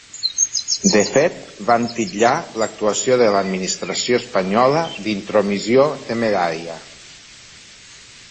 De fet, van titllar l’actuació de l’administració espanyola dintromissió temerària.